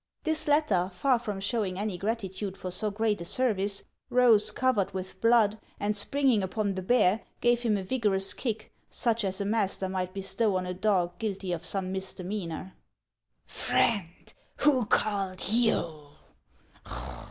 This latter, far from showing any gratitude for so great a service, rose, covered with blood, and springing upon the bear, gave him a vigorous kick, such as a master might bestow on a dog guilty of some misdemeanor. " Friend, who called you ?